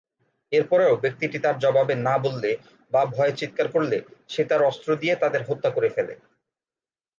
এরপরেও ব্যক্তিটি তার জবাবে না বললে, বা ভয়ে চিৎকার করলে, সে তার অস্ত্র দিয়ে তাদের হত্যা করে ফ্যালে।